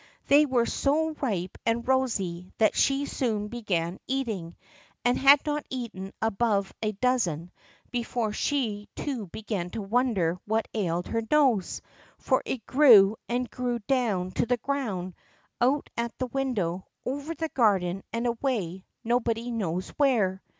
They were so ripe and rosy that she soon began eating; and had not eaten above a dozen before she too began to wonder what ailed her nose, for it grew and grew down to the ground, out at the window, and over the garden, and away, nobody knows where.